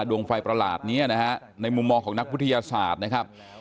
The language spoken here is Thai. ดวงไฟประหลาดนี้นะฮะในมุมมองของนักวิทยาศาสตร์นะครับ